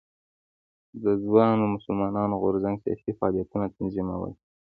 د ځوانو مسلمانانو د غورځنګ سیاسي فعالیتونه تنظیمول.